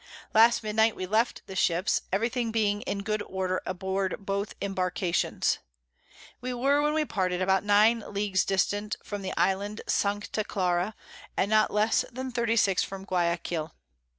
Last Midnight we left the Ships, every thing being in good order aboard both Imbarkations. We were, when we parted, about 9 Leagues distant from the Island Sancta Clara, and not less than 36 from Guiaquil.